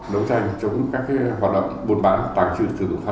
đấu tranh chống các hoạt động buôn bán tàng trừ